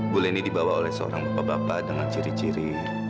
bu leni dibawa oleh seorang bapak bapak dengan ciri ciri